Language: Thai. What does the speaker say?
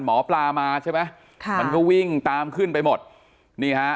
หมอปลามาใช่ไหมค่ะมันก็วิ่งตามขึ้นไปหมดนี่ฮะ